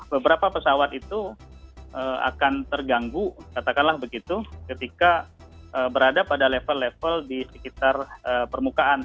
beberapa pesawat itu akan terganggu katakanlah begitu ketika berada pada level level di sekitar permukaan